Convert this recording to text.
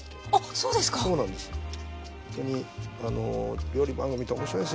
そうなんです。